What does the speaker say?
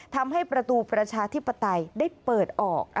ทำให้ประตูประชาธิปไตยได้เปิดออก